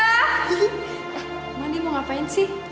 eh mana dia mau ngapain sih